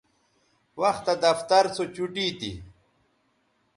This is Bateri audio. وختہ دفتر سو چوٹی تھی